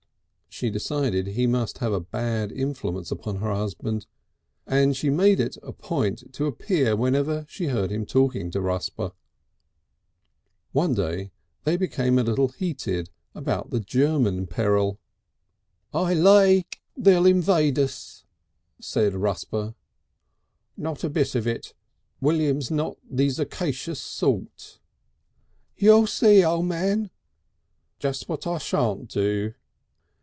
She decided he must have a bad influence upon her husband, and she made it a point to appear whenever she heard him talking to Rusper. One day they became a little heated about the German peril. "I lay (kik) they'll invade us," said Rusper. "Not a bit of it. William's not the Zerxiacious sort." "You'll see, O' Man." "Just what I shan't do."